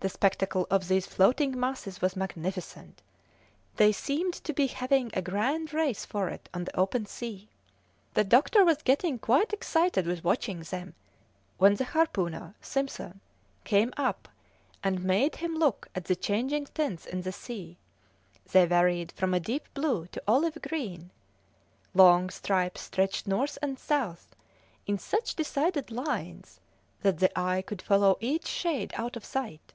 The spectacle of these floating masses was magnificent; they seemed to be having a grand race for it on the open sea. The doctor was getting quite excited with watching them, when the harpooner, Simpson, came up and made him look at the changing tints in the sea; they varied from a deep blue to olive green; long stripes stretched north and south in such decided lines that the eye could follow each shade out of sight.